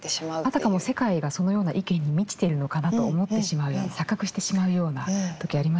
あたかも世界がそのような意見に満ちているのかなと思ってしまうような錯覚してしまうような時ありますよね。